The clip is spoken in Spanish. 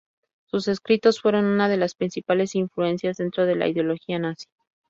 Sus escritos fueron una de las principales influencias dentro de la ideología nazi.